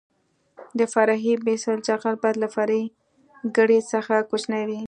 د فرعي بیس جغل باید له فرعي ګریډ څخه کوچنی وي